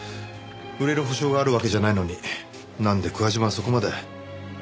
売れる保証があるわけじゃないのになんで桑島はそこまで。